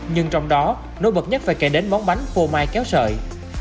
nhưng trong đó nổi bật nhất phải kể đến món bánh phô mai kéo sợi